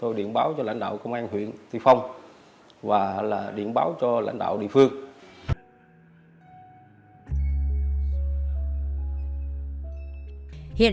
hãy đăng kí cho kênh lalaschool để không bỏ lỡ những video hấp dẫn